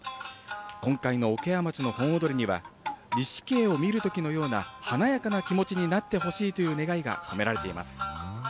今回の桶屋町の本踊には、錦絵を見るときのような華やかな気持ちになってほしいという願いが込められています。